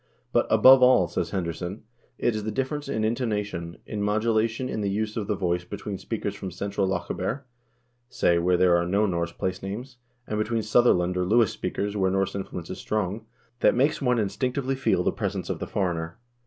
But "above all," says Henderson, "it is the difference in intonation, in modulation in the use of the voice between speakers from Central Lochaber, say, where there are no Norse place names, and between Sutherland or Lewis speakers, where Norse influence is strong, that makes one instinctively feel the presence of the foreigner.